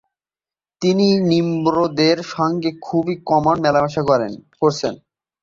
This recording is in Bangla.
তিনি নিম্রোদের সঙ্গে খুব কমই মেলামেশা করেছেন।